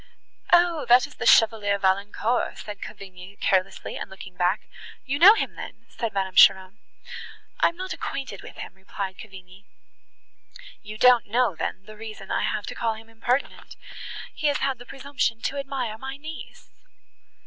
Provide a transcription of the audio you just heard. "O! that is the Chevalier Valancourt," said Cavigni carelessly, and looking back. "You know him then?" said Madame Cheron. "I am not acquainted with him," replied Cavigni. "You don't know, then, the reason I have to call him impertinent;—he has had the presumption to admire my niece!"